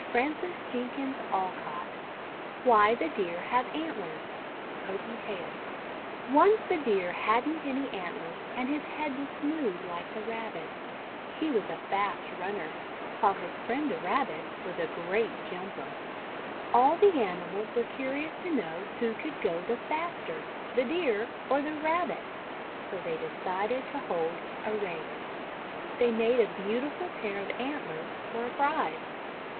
190 THE WONDER GARDEN WHY THE DEER HAVE ANTLERS Hopi Tale • ONCE the Deer had n't any antlers and his head was smooth like the Rabbit's. He was a fast runner, while his friend the Rabbit was a great jumper. All the animals were curious to know who could go the faster, the Deer or the Rabbit, so they decided to hold a race. They made a beau tiful pair of antlers for a prize.